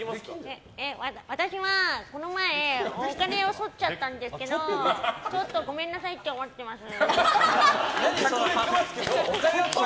私は、この前お金をすっちゃったんですけどちょっとごめんなさいって思ってます。